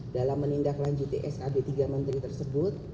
dalam menindak lanjuti skb tiga menteri tersebut